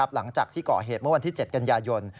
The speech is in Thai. หลังจากที่ก่อเหตุเมื่อวันที่๗กันยายน